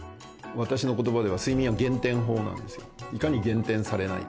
私のことばでは、睡眠は原点法なんですよ。